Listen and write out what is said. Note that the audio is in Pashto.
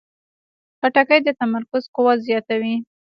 خټکی د تمرکز قوت زیاتوي.